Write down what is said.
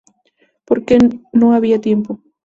Porque no había tiempo.